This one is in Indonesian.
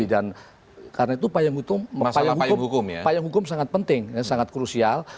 dan karena itu payang hukum sangat penting sangat krusial